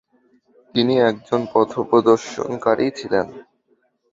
তিনি একজন পথ প্রদর্শনকারী ছিলেন।